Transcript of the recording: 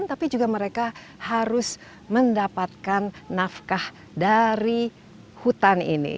tapi juga mereka harus mendapatkan nafkah dari hutan ini